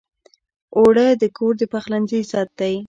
اوړه د کور د پخلنځي عزت دی